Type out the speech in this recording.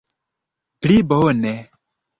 Pli bone?